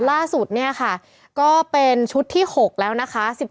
ล่าสุดเนี่ยค่ะก็เป็นชุดที่๖แล้วนะคะ